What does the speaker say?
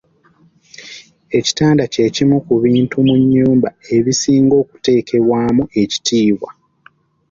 Ekitanda ky’ekimu ku bintu mu nnyumba ebisinga okuteekebwamu ekitiibwa.